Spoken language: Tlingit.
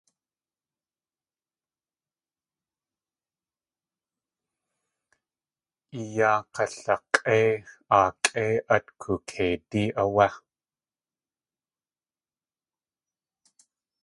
I yáa galak̲ʼéi, aakʼé at kookeidí áwé.